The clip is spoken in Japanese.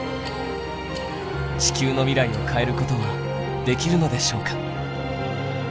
地球の未来を変えることはできるのでしょうか。